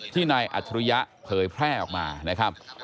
ที่ในอัธิรยะเผยแพร่ออกมานะครับ